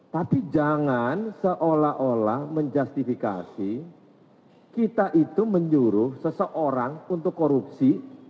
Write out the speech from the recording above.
tapi jangan seolah olah menjustifikasi kita itu menyuruh seseorang untuk korupsi